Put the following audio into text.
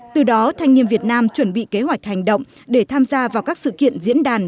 thanh niên việt nam chuẩn bị kế hoạch hành động để tham gia vào các sự kiện diễn đàn